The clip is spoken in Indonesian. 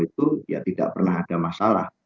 itu ya tidak pernah ada masalah